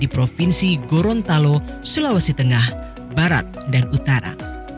provinsi gorontalo sulawesi tengah barat dan utara